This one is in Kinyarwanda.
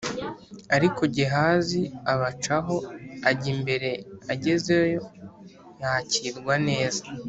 Ariko Gehazi abacaho ajya imbere agezeyo yakirwa neza